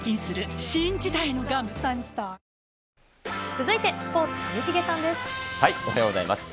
続いてスポーツ、上重さんでおはようございます。